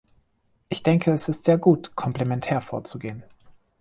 Ich denke, es ist sehr gut, komplementär vorzugehen.